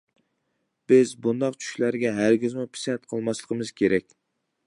بىز بۇنداق چۈشلەرگە ھەرگىزمۇ پىسەنت قىلماسلىقىمىز كېرەك.